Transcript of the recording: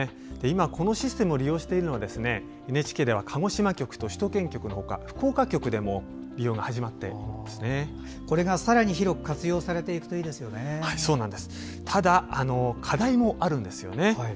このシステムを利用しているのはＮＨＫでは鹿児島局と首都圏局のほかこれがさらに広くただ、課題もあるんですよね。